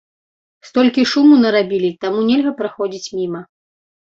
Столькі шуму нарабілі, таму нельга праходзіць міма.